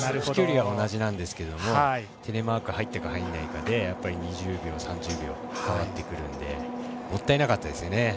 飛距離は同じなんですけどテレマーク入ったか入ってないかで２０秒、３０秒変わってくるのでもったいなかったですよね。